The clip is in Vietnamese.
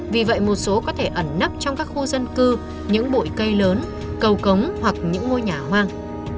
vì vậy một số có thể ẩn nấp trong các khu dân cư những bụi cây lớn cầu cống hoặc những ngôi nhà hoang